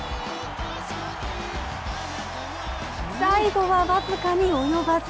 最後は僅かに及ばず。